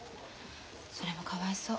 それもかわいそう。